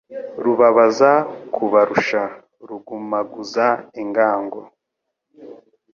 Rubabaza kubarusha, rugumaguza ingango